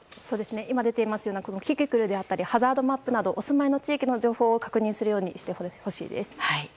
今、出ているようなキキクルだったりハザードマップなどお住まいの地域の情報を確認するようにしてほしいです。